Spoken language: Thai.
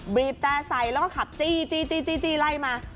บีบแต่ใส่แล้วก็ขับจี้ไล่มา